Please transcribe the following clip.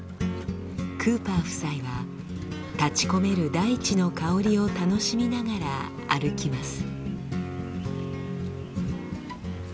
クーパー夫妻は立ち込める大地の香りを楽しみながら歩きます。